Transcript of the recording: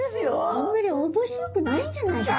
あんまり面白くないんじゃないですか？